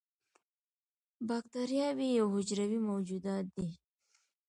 بکتریاوې یو حجروي موجودات دي